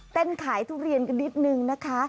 เต้นขายทุเรียนกันนิดหนึ่งนะคะ